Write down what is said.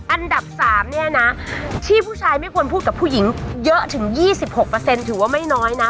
อันดับ๓เนี่ยนะที่ผู้ชายไม่ควรพูดกับผู้หญิงเยอะถึง๒๖ถือว่าไม่น้อยนะ